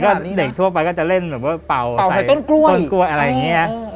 ปกติเด็กทั่วไปก็จะเล่นเป่าใส่ต้นกล้วยอะไรอย่างนี้